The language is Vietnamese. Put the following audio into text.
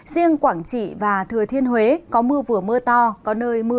riêng quảng trị và thừa thiên huế có mưa vừa mưa to